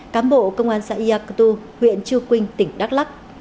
cán bộ công an xã gia cơ tu huyện chư quynh tỉnh đắk lắk